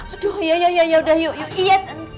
aduh ya ya ya ya udah yuk yuk